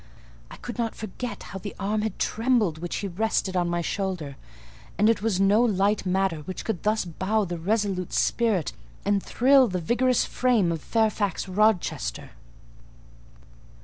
I could not forget how the arm had trembled which he rested on my shoulder: and it was no light matter which could thus bow the resolute spirit and thrill the vigorous frame of Fairfax Rochester.